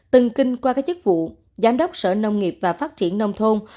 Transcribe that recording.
từng kinh qua các chức vụ giám đốc sở nông nghiệp và phát triển nông thôn